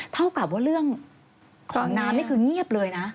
เท่ากับว่าเรื่องของน้ำนี่คือเงียบเลยนะ